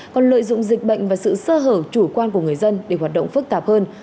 còn lợi dụng dịch bệnh và sự sơ hở chủ quan của người dân để hoạt động phức tạp hơn